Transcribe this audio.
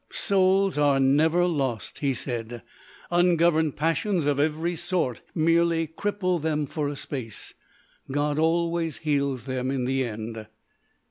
"Souls are never lost," he said. "Ungoverned passions of every sort merely cripple them for a space. God always heals them in the end."